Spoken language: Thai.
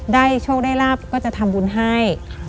โชคได้ราบก็จะทำบุญให้